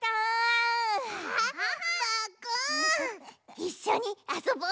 いっしょにあそぼう！